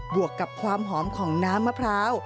วกกับความหอมของน้ำมะพร้าว